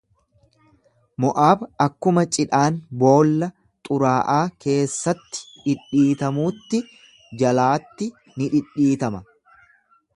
Mo'aab akkuma cidhaan boolla xuraa'aa keessatti dhidhiitamuutti jalaatti ni dhidhiitama.